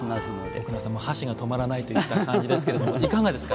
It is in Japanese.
奥野さん箸が止まらないといった感じですけれどもいかがですか？